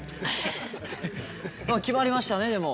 まあ決まりましたねでも。